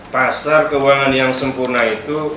pasar keuangan yang sempurna itu